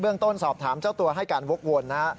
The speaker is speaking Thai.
เบื้องต้นสอบถามเจ้าตัวให้การวกวนนะ